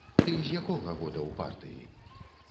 Ты з якога года ў партыі?